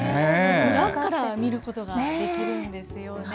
裏から見ることができるんですよね。